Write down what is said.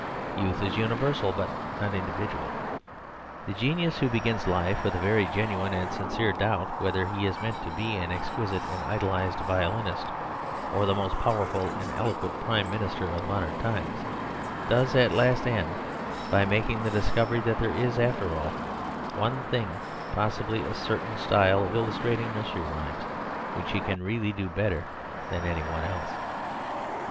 Youth is universal, but not individual. The genius who begins life with a very genuine and sincere doubt whether he is meant to be an exquisite and idolised violinist, or the most powerful and eloquent Prime Minister of modern times, does at last end by making the discovery that there is, after all, one thing, possibly a certain style of illustrating Nursery Rhymes, which he can really do better than any one else.